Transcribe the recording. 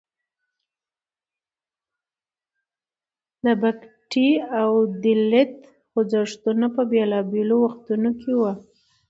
د بکهتي او دلیت خوځښتونه په بیلابیلو وختونو کې وو.